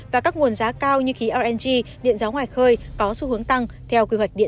và các nguồn giá cao như khí rng điện giáo ngoài khơi có xu hướng tăng theo quy hoạch điện tám